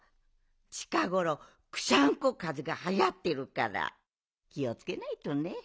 ちかごろクシャンコかぜがはやってるからきをつけないとね。